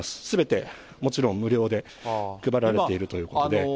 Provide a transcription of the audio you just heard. すべてもちろん無料で配られているということで。